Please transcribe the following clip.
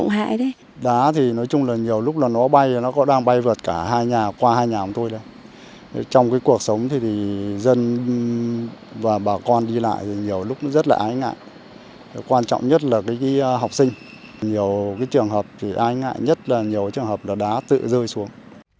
nhiều cái trường hợp thì ai ngại nhất là nhiều cái trường hợp là đá tự rơi xuống